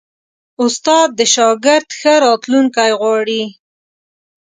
استاد د شاګرد ښه راتلونکی غواړي.